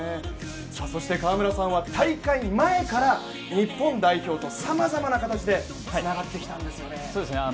川村さんは大会前から日本代表とさまざまな形でつながってきたんですよね。